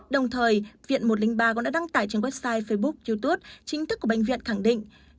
đồng thời viện một trăm linh ba cũng đã đăng tải trên website facebook youtube chính thức của bệnh viện khẳng định